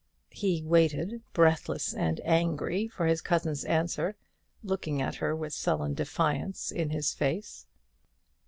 He waited, breathless and angry, for his cousin's answer, looking at her with sullen defiance in his face.